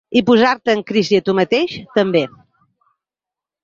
I posar-te en crisi a tu mateix, també.